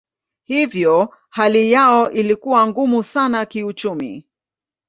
Hivyo hali yao ilikuwa ngumu sana kiuchumi.